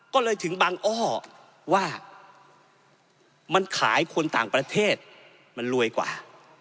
ก็เลยถึงบังอ้อว่ามันขายคนต่างประเทศมันรวยกว่า